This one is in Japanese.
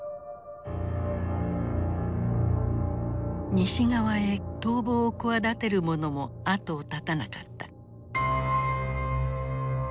西側へ逃亡を企てる者も後を絶たなかった。